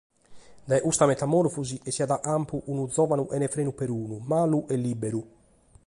Dae custa metamòrfosi essiat a campu unu giòvanu chene frenu perunu, malu e lìberu.